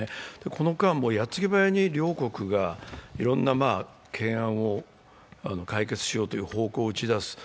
この間、矢継ぎ早に両国がいろんな懸案を解決しようという方向を打ち出す。